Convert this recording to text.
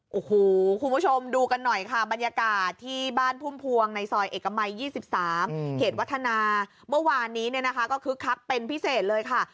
โอ้โหคุณผู้ชมดูกันหน่อยค่ะบรรยากาศที่บ้านพุ่มพวงในซอยเอกมัย๒๓เขตวัฒนาเมื่อวานนี้เนี่ยนะคะก็คึกคักเป็นพิเศษเลยค่ะ